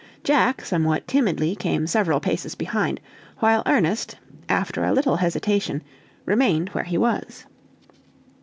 Jack, somewhat timidly, came several paces behind; while Ernest, after a little hesitation, remained where he was.